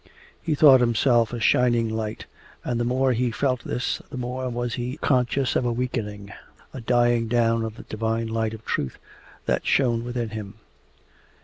He thought himself a shining light, and the more he felt this the more was he conscious of a weakening, a dying down of the divine light of truth that shone within him.